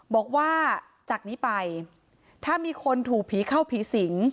บอกว่าจากนี้ไปถ้ามีคนถูกผีเข้าผีสิง